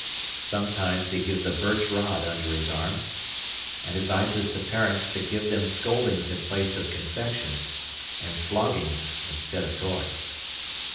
Sometimes he gives a birch rod under his arm and advises the parents to give them scoldings in place of confections, and floggings instead of toys.